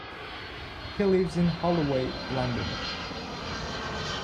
He lives in Holloway, London.